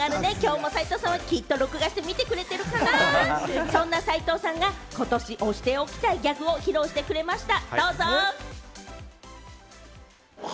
きょうも斉藤さんは録画してきっと見ていくれているかな、そんな斉藤さんがことし推しておきたいギャグを披露してくれました。